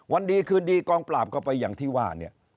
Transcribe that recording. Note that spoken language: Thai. วันดีคืนดีกองปราบก็ไปอย่างที่ว่าเนี่ย